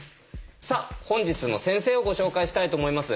さあ本日の先生をご紹介したいと思います。